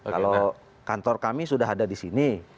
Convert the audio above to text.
kalau kantor kami sudah ada disini